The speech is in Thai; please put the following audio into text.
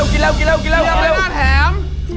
กินเร็วกินเร็วร้านแถม